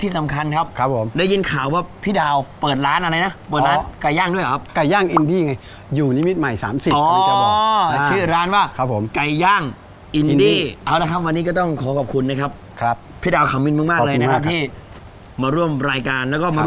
ที่นี่เขาพิธีวิถันในการทำอาหาร